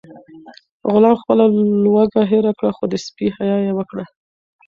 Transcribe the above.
غلام خپله لوږه هېره کړه خو د سپي حیا یې وکړه.